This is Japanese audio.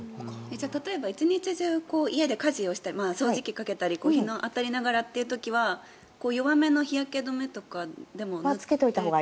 例えば１日中家で家事をして掃除機かけたり日に当たりながらという時は弱めの日焼け止めを塗ったほうが。